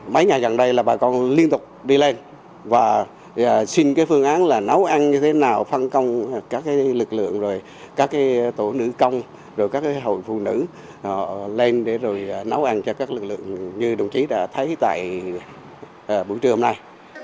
mấy ngày gần đây là bà con liên tục đi lên và xin cái phương án là nấu ăn như thế nào phân công các lực lượng rồi các tổ nữ công rồi các hội phụ nữ lên để rồi nấu ăn cho các lực lượng như đồng chí đã thấy tại buổi trưa hôm nay